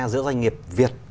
giữa doanh nghiệp việt